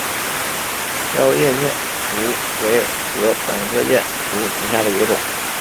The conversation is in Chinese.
凋叶箭竹为禾本科箭竹属下的一个种。